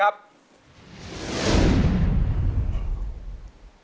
ครับมีแฟนเขาเรียกร้อง